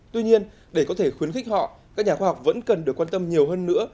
tuy nhiên để có thể khuyến khích họ các nhà khoa học vẫn cần được quan tâm nhiều hơn nữa